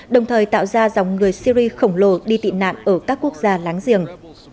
đồng thời tạo ra dòng người syri khổng lồ đi tị nạn ở các quốc gia láng giềng